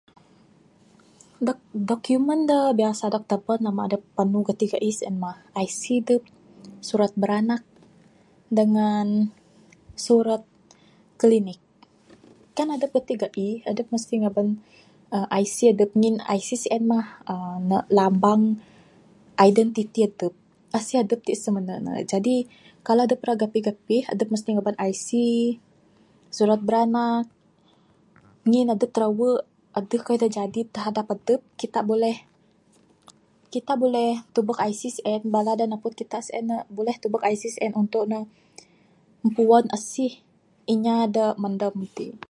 Doc doc document da biasa dog taban mamba dep panu gati gaih sien mah IC adep, surat biranak dangan surat klinik. Kan adep gati gaih adep mesti ngaban uhh IC adep. Ngin ne IC sien mah ne lambang identity adep. Asih adep ti simene ne. Jadi, kalau adep ra gapih gapih adep mesti ngaban IC, surat biranak ngin adep tirawe, adeh kayuh da Jadi terhadap adep. Kita buleh, kita buleh tubek IC sien bala da napud kita sien ne buleh tubek IC sien untuk ne impuan asih inya da mandam meng ti.